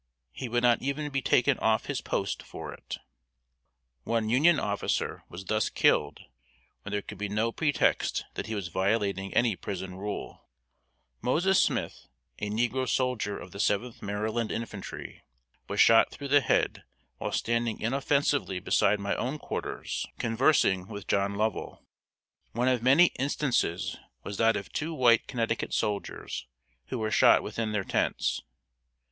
He would not even be taken off his post for it. One Union officer was thus killed when there could be no pretext that he was violating any prison rule. [Illustration: MASSACRE OF UNION PRISONERS ATTEMPTING TO ESCAPE FROM SALISBURY, NORTH CAROLINA.] Moses Smith, a negro soldier of the Seventh Maryland Infantry, was shot through the head while standing inoffensively beside my own quarters, conversing with John Lovell. One of many instances was that of two white Connecticut soldiers who were shot within their tents.